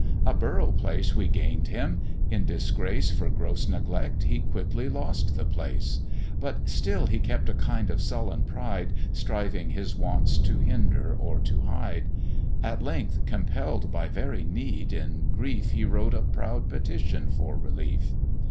A borough place we gain'd him in disgrace For gross neglect, he quickly lost the place; But still he kept a kind of sullen pride, Striving his wants to hinder or to hide; At length, compell'd by very need, in grief He wrote a proud petition for relief.